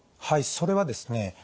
はいそれはですね